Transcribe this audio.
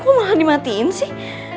gue malah dimatiin sih